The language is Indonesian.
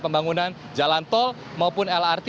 pembangunan jalan tol maupun lrt